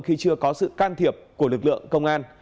khi chưa có sự can thiệp của lực lượng công an